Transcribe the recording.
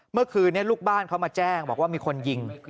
เมื่อคืนนี้ลูกบ้านเขามาแจ้งบอกว่ามีคนยิง